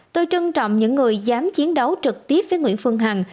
tôi trân trọng những người dám chiến đấu trực tiếp với nguyễn phương hằng